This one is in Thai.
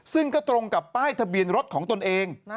ซึ่งก็ตรงกับป้ายทะเบียนรถของตนเอง